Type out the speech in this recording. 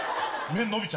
伸びちゃう。